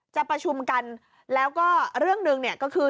จะประชุมกันแล้วก็เรื่องหนึ่งเนี่ยก็คือ